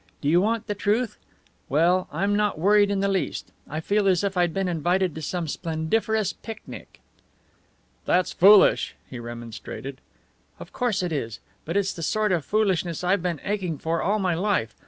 Do you want the truth? Well, I'm not worried in the least. I feel as if I'd been invited to some splendiferous picnic." "That's foolish," he remonstrated. "Of course it is. But it's the sort of foolishness I've been aching for all my life.